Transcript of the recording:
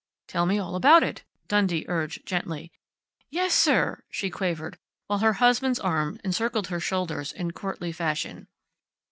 "Tell me all about it," Dundee urged gently. "Yes, sir," she quavered, while her husband's arm encircled her shoulders in courtly fashion.